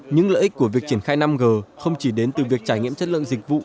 những lợi ích của việc triển khai năm g không chỉ đến từ việc trải nghiệm chất lượng dịch vụ